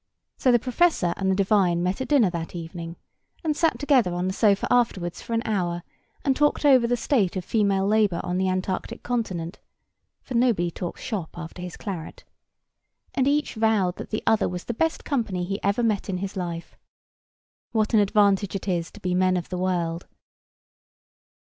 So the professor and the divine met at dinner that evening, and sat together on the sofa afterwards for an hour, and talked over the state of female labour on the antarctic continent (for nobody talks shop after his claret), and each vowed that the other was the best company he ever met in his life. What an advantage it is to be men of the world!